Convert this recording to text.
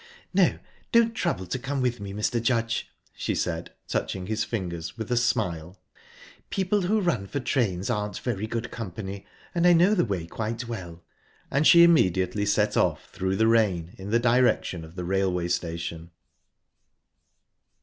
"No, don't trouble to come with me, Mr. Judge," she said, touching his fingers, with a smile. "People who run for trains aren't very good company, and I know the way quite well." And she immediately set off through the rain in the direction of the railway station.